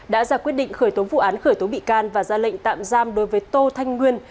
đã ra quyết định khởi tố vụ án khởi tố bị can và ra lệnh tạm giam đối với tô thanh nguyên